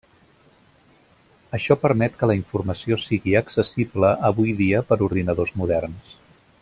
Això permet que la informació sigui accessible avui dia per ordinadors moderns.